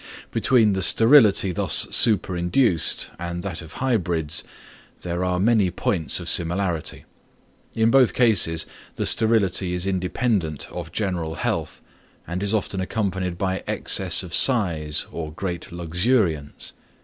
Between the sterility thus superinduced and that of hybrids, there are many points of similarity. In both cases the sterility is independent of general health, and is often accompanied by excess of size or great luxuriance.